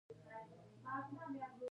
ایا ستاسو اشتها ښه ده؟